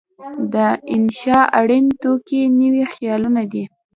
د انشأ اړین توکي نوي خیالونه دي.